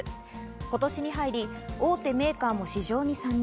今年に入り大手メーカーも市場に参入。